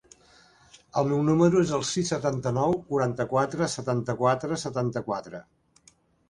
El meu número es el sis, setanta-nou, quaranta-quatre, setanta-quatre, setanta-quatre.